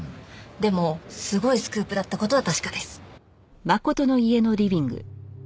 でもすごいスクープだった事は確かです。